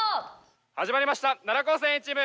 始まりました奈良高専Ａチーム。